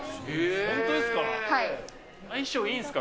本当ですか？